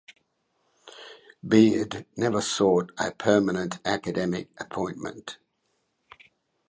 Beard never sought a permanent academic appointment.